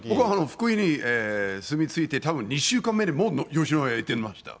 福井に住み着いて、たぶん２週間目にもう吉野家に行ってました。